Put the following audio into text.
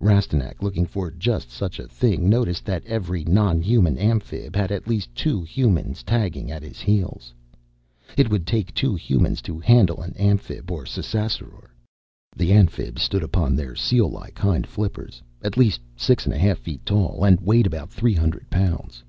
Rastignac, looking for just such a thing, noticed that every non human Amphib had at least two Humans tagging at his heels. It would take two Humans to handle an Amphib or a Ssassaror. The Amphibs stood upon their seal like hind flippers at least six and a half feet tall and weighed about three hundred pounds.